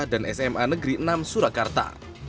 dan sma negeri enam surakarta